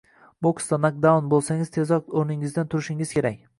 Boksda nakdaun bo’lsangiz tezroq o’rningizdan turishingiz kerak